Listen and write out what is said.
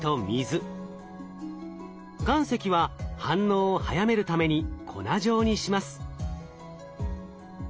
岩石は反応を早めるために粉状にします。